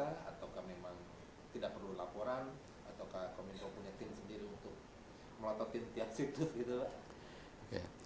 atau kementerian kominko punya tim sendiri untuk melatuh tim setiap situs gitu pak